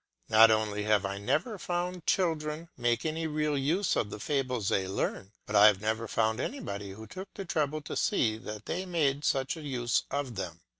Not only have I never found children make any real use of the fables they learn, but I have never found anybody who took the trouble to see that they made such a use of them.